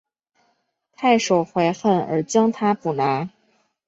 太守怀恨而将他捕拿。